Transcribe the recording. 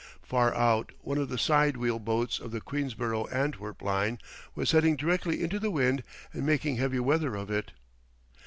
Far out one of the sidewheel boats of the Queensborough Antwerp line was heading directly into the wind and making heavy weather of it.